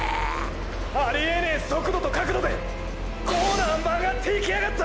ありえねぇ速度と角度でコーナー曲がっていきやがった！！